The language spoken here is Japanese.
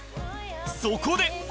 そこで！